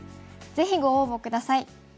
ぜひご応募下さい。